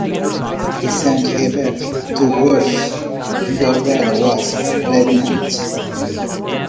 He sent her back to Earth, and Arella was pregnant.